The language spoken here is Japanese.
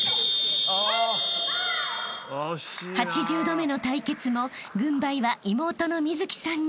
［８０度目の対決も軍配は妹の美月さんに］